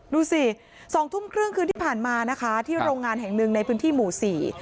ดูสิสองทุ่มครึ่งคืนที่ผ่านมานะคะที่โรงงานแห่งหนึ่งในพื้นที่หมู่สี่